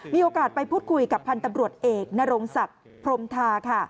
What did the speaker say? มีโอกาสไปพูดคุยกับพันธ์ตำรวจเอกนรงศักดิ์พรมทาค่ะ